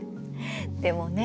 でもね